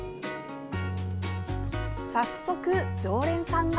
早速、常連さんが。